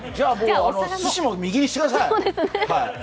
じゃあ、すしも右にしてください。